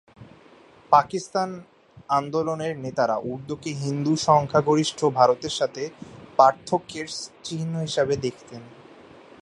পাকিস্তান আন্দোলনের নেতারা উর্দুকে হিন্দু সংখ্যাগরিষ্ঠ ভারতের সাথে পার্থক্যের চিহ্ন হিসেবে দেখতেন।